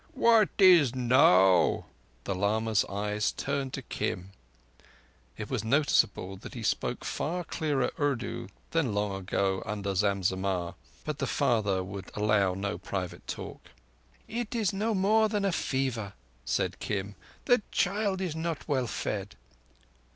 "What is now?" The lama's eyes turned to Kim. It was noticeable he spoke far clearer Urdu than long ago, under ZamZammah; but father would allow no private talk. "It is no more than a fever," said Kim. "The child is not well fed."